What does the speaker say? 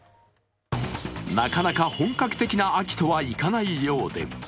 なかなか本格的な秋とはいかないようで。